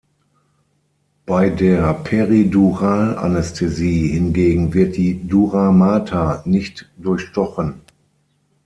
Bei der Periduralanästhesie hingegen wird die "Dura mater" nicht durchstochen.